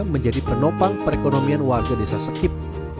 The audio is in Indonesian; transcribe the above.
menjadi penopang perekonomian warga desa sekip